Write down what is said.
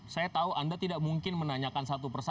saya tahu anda tidak mungkin menanyakan satu persatu